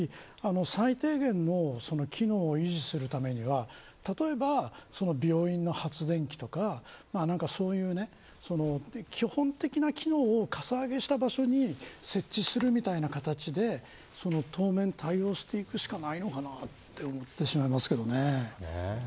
そうすると最低限の機能を維持するためには例えば病院の発電機とかそういう基本的な機能をかさ上げした場所に設置するみたいな形で当面、対応していくしかないのかなと思ってしまいますけどね。